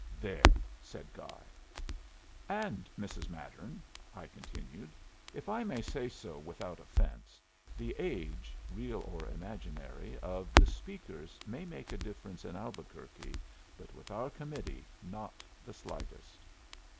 "There!" said Guy. "And, Mrs. Mattern," continued, "if I may say so without offense, the age (real or imaginary) of the speakers may make a difference in Albuquerque, but with our committee not the slightest."